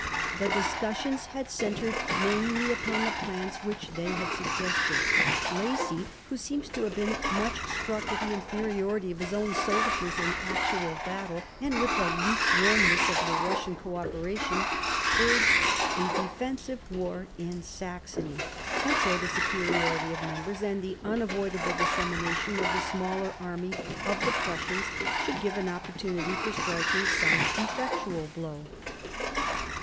The discussions had centred mainly upon the plans which they had suggested. Lacy, who seems to have been much struck with the inferiority of his own soldiers in actual battle, and with the lukewarmness of the Russian co operation, urged a defensive war in Saxony, until the superiority of numbers and the unavoidable dissemination of the smaller army of the Prussians should give an oppor tunity for striking some effectual blow.